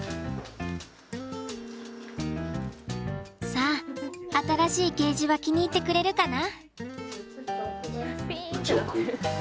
さあ新しいケージは気に入ってくれるかな？